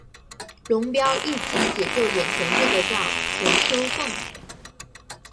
龙飙立即解救眼前这个叫田秋凤。